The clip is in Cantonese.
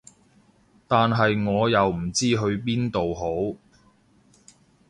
但係我又唔知去邊度好